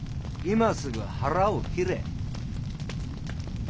今すぐ腹を切れ。